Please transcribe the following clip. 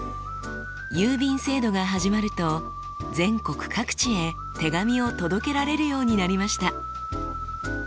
郵便制度が始まると全国各地へ手紙を届けられるようになりました。